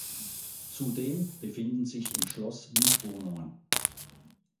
Zudem befinden sich im Schloss Mietwohnungen.